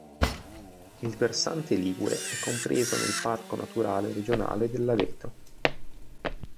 Il versante ligure è compreso nel Parco naturale regionale dell'Aveto.